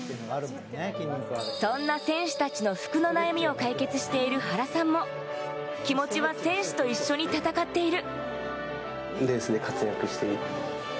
そんな選手たちの服の悩みを解決している原さんも、気持ちは選手と一緒に戦っている。